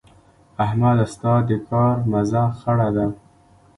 احمده؛ ستا د کار مزه خړه ده.